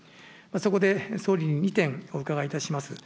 そこで総理に２点、お伺いいたします。